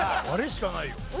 あれしかないよ。